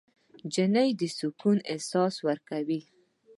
نجلۍ د سکون احساس ورکوي.